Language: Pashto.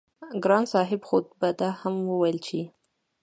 ګران صاحب خو به دا هم وييل چې